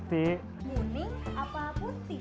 muning apa putih